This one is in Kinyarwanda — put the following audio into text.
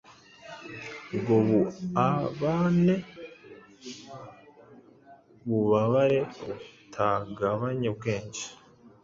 Ubwo buabane mububabare butagabanya ubwenge,